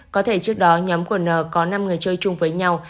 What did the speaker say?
có thể trước đó nhóm của n có năm người chơi chung với nhau